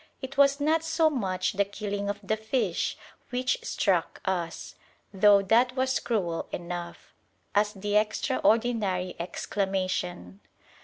It was not so much the killing of the fish which struck us, though that was cruel enough, as the extraordinary exclamation.